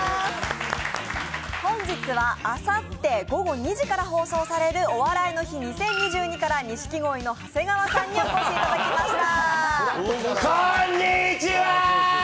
本日は、あさって午後２時から放送される「お笑いの日２０２２」から錦鯉の長谷川さんにお越しいただきました。